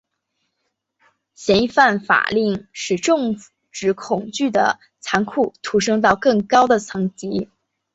嫌疑犯法令使政治恐怖的残酷陡升到更高的层级。